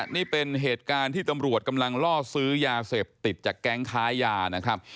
นี่เป็นเหตุการณ์ที่ตำรวจกำลังล่อซื้อยาเสพติดจากแก๊งค้ายานะครับ